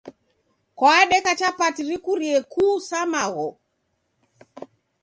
Kwadeka chapati rikurie kuu sa magho